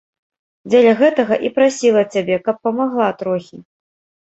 Дзеля гэтага і прасіла цябе, каб памагла трохі.